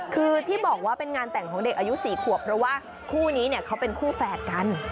คือที่บอกว่าเป็นงานแต่งของเด็กอายุ๔ขวบเพราะว่าคู่นี้เนี่ยเขาเป็นคู่แฝดกัน